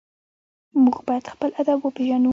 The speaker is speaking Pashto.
موږ باید خپل ادب وپېژنو.